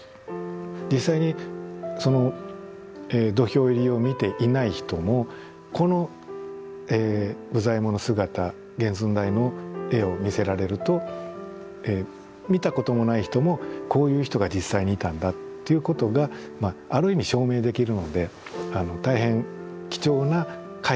実際にその土俵入りを見ていない人もこの武左衛門の姿原寸大の絵を見せられると見たこともない人もこういう人が実際にいたんだっていうことがある意味証明できるので大変貴重な絵画になるわけですよね。